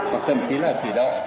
hoặc thầm ký là thủy đậu